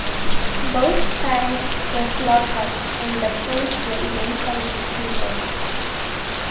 Both sides were slaughtered, and the Poles were eventually beaten back.